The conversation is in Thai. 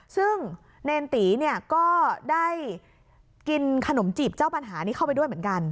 ซึ่งเนรตีเนี่ยก็ได้กินขนมจีบเจ้าปัญหานี้เข้าไปด้วยเหมือนกัน